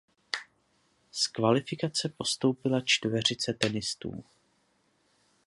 Z kvalifikace postoupila čtveřice tenistů.